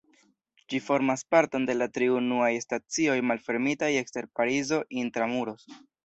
Ĝi formas parton de la tri unuaj stacioj malfermitaj ekster Parizo "intra-muros".